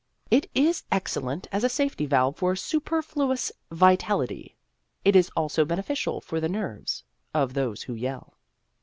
It is excel lent as a safety valve for superfluous vital ity ; it is also beneficial for the nerves of those who yell.